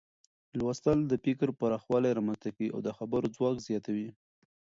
لوستل د فکر پراخوالی رامنځته کوي او د خبرو ځواک زیاتوي.